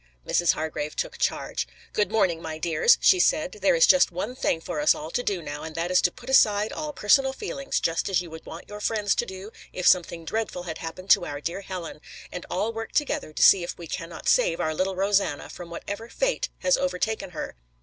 Mrs. Hargrave took charge. "Good morning, my dears," she said. "There is just one thing for us all to do now, and that is to put aside all personal feelings, just as you would want your friends to do if something dreadful had happened to our dear Helen, and all work together to see if we cannot save our little Rosanna from whatever fate has overtaken her.